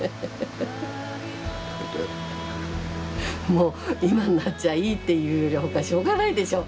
もう今になっちゃ「いい」って言うよりほかしょうがないでしょ。